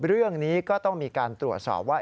เรื่องนี้ก็ต้องมีการตรวจสอบว่า